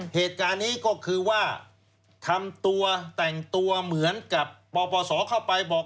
เหตุการณ์นี้ก็คือว่าทำตัวแต่งตัวเหมือนกับปปศเข้าไปบอก